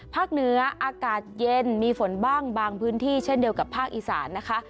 เหนืออากาศเย็นมีฝนบ้างบางพื้นที่เช่นเดียวกับภาคอีสานนะคะ